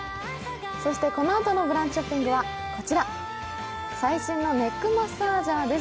このあとの「ブランチ」ショッピングはこちら、最新のネックマッサージャーです。